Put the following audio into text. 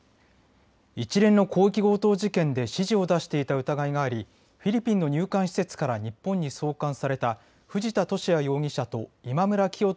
一連の広域強盗事件で指示を出していた疑いがありフィリピンの入管施設から日本に送還された藤田聖也容疑者と今村磨人